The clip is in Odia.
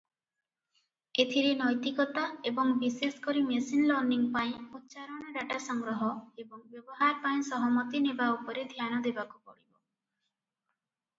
ଏଥିରେ ନୈତିକତା ଏବଂ ବିଶେଷକରି ମେସିନ୍ ଲର୍ଣ୍ଣିଂ ପାଇଁ ଉଚ୍ଚାରଣ ଡାଟା ସଂଗ୍ରହ ଏବଂ ବ୍ୟବହାର ପାଇଁ ସହମତି ନେବା ଉପରେ ଧ୍ୟାନ ଦେବାକୁ ପଡ଼ିବ ।